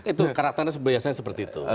itu karakter biasanya seperti itu